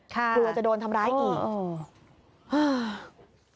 กลัวจะโดนทำร้ายอีก